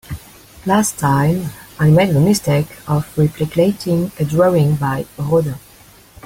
Last time, I made the mistake of replicating a drawing by Rodin.